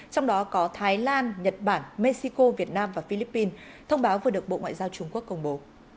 trong đó có thái lan nhật bản mexico việt nam và philippines thông báo vừa được bộ ngoại giao trung quốc công bố